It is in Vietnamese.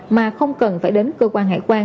mà không cần phải đến cơ quan hải quan